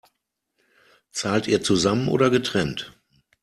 Zahlt ihr zusammen oder getrennt?